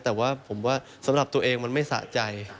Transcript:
แต่ว่าผมว่าสำหรับตัวเองมันไม่สะใจ